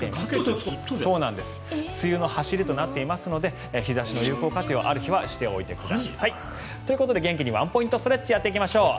梅雨の走りとなっていますので日差しの有効活用ある日はしておいてください。ということで元気にワンポイントストレッチをやっていきましょう。